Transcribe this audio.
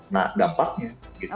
nah dampaknya gitu